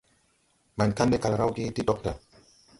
Maŋ Kandɛ kal rawge ti dogta.